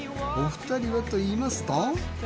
お二人はといいますと。